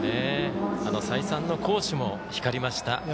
再三の好守も光りました。